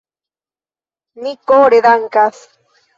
Ni kore dankas.